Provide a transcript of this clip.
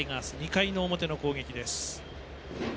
２回の表の攻撃です。